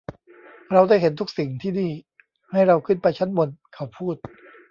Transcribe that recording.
เราได้เห็นทุกสิ่งที่นี่; ให้เราขึ้นไปชั้นบนเขาพูด